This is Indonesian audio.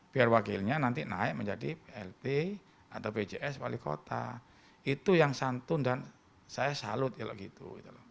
biar wakilnya nanti naik menjadi plt atau pjs wali kota itu yang santun dan saya salut kalau gitu loh